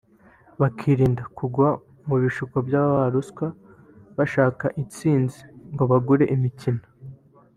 bakirinda kugwa mu bishuko by’ababaha ruswa bashaka intsinzi ngo bagure imikino